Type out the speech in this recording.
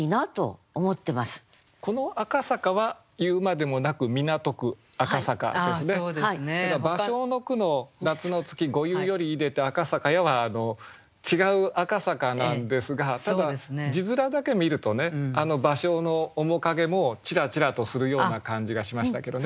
この「赤坂」は言うまでもなく芭蕉の句の「夏の月御油より出でて赤坂や」は違う「赤坂」なんですがただ字面だけ見るとね芭蕉の面影もちらちらとするような感じがしましたけどね。